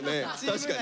確かに。